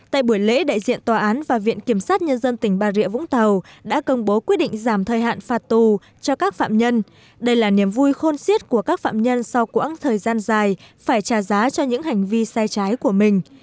tại buổi lễ đại diện tòa án và viện kiểm sát nhân dân tỉnh bà rịa vũng tàu đã công bố quyết định giảm thời hạn phạt tù cho các phạm nhân đây là niềm vui khôn siết của các phạm nhân sau quãng thời gian dài phải trả giá cho những hành vi sai trái của mình